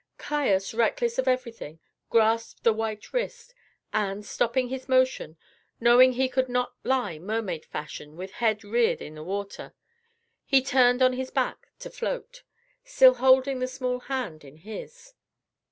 Caius, reckless of everything, grasped the white wrist, and, stopping his motion, knowing he could not lie mermaid fashion with head reared in the water, he turned on his back to float, still holding the small hand in his.